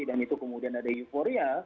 dan itu kemudian ada euforia